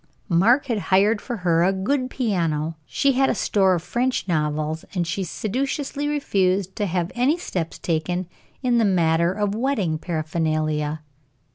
Mark had hired for her a good piano, she had a store of French novels, and she sedulously refused to have any steps taken in the matter of wedding paraphernalia.